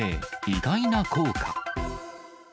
意外な効果。